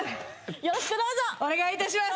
よろしくどうぞお願いいたします